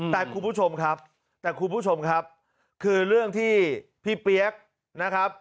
แต่คุณผู้ชมครับคือเรื่องที่พี่เปี๊ยกนะครับ